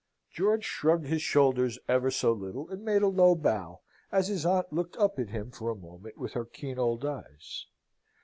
George shrugged his shoulders ever so little, and made a low bow, as his aunt looked up at him for a moment with her keen old eyes.